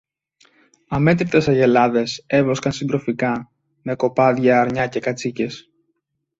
Αμέτρητες αγελάδες έβοσκαν συντροφικά με κοπάδια αρνιά και κατσίκες.